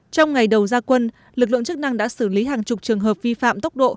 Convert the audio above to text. trong ngày đầu gia quân lực lượng chức năng đã xử lý hàng chục trường hợp vi phạm tốc độ